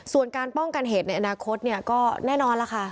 ส่วนการป้องกันเหตุในอนาคตเนี่ยก็แน่นอนล่ะค่ะ